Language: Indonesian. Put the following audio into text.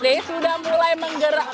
jadi ini sudah ada di seluruh panggung utama